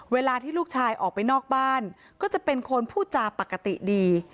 เวลาที่ลูกชายออกไปนอกบ้านก็จะเป็นคนพูดจาปกติดี